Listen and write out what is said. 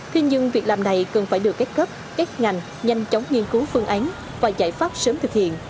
thế nhưng việc làm này cần phải được các cấp các ngành nhanh chóng nghiên cứu phương án và giải pháp sớm thực hiện